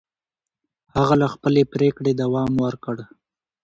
هغه له خپلې پرېکړې دوام ورکړ.